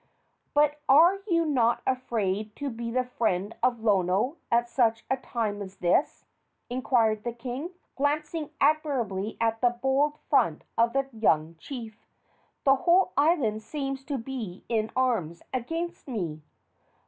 "But are you not afraid to be the friend of Lono at such a time as this?" inquired the king, glancing admiringly at the bold front of the young chief. "The whole island seems to be in arms against me."